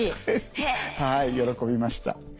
はい喜びました。